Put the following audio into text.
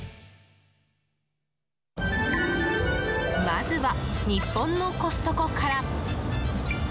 まずは、日本のコストコから。